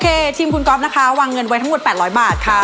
ทีมคุณก๊อฟนะคะวางเงินไว้ทั้งหมด๘๐๐บาทค่ะ